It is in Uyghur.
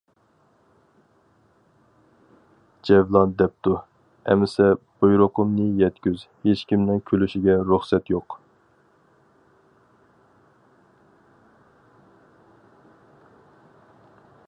جەۋلان دەپتۇ:-ئەمىسە بۇيرۇقۇمنى يەتكۈز ھېچكىمنىڭ كۈلۈشىگە رۇخسەت يوق.